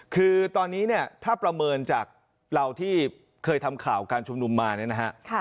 คือตอนนี้เนี่ยถ้าประเมินจากเราที่เคยทำข่าวการชุมนุมมาเนี่ยนะฮะ